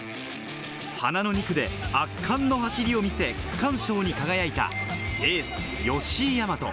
花の２区で圧巻の走りを見せ、区間賞に輝いたエース・吉居大和。